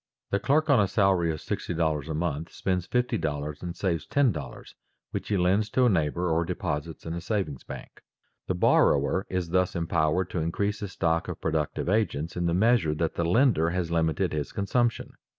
The clerk on a salary of $60 a month spends $50 and saves $10 which he lends to a neighbor or deposits in a savings bank. The borrower is thus empowered to increase his stock of productive agents in the measure that the lender has limited his consumption.